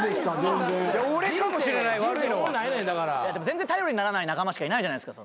全然頼りにならない仲間しかいないじゃないですか。